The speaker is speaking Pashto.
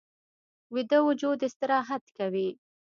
ویده وجود استراحت کوي